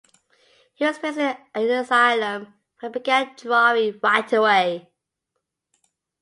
He was placed in an asylum where he began drawing right away.